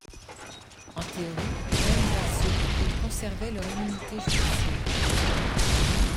En théorie, même vassaux, ils conservaient leur immunité judiciaire.